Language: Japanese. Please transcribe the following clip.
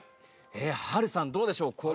波瑠さんどうでしょう？